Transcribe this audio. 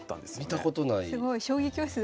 見たことない。